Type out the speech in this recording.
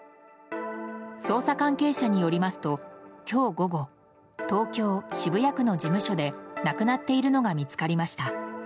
捜査関係者によりますと今日午後東京・渋谷区の事務所で亡くなっているのが見つかりました。